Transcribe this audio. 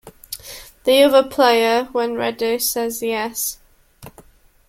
The other player, when ready, says "Yes".